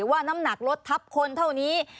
ว่าน้ำหนักรถทับคนเท่านี้